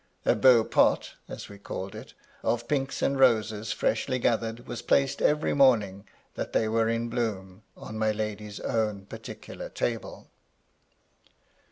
A beau pot (as we called it) of pinks and roses freshly gathered was placed every morning that they were in bloom on my lady's own particular table.